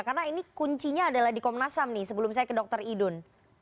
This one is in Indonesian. karena ini kuncinya adalah di komnasam nih sebelum saya ke dr idun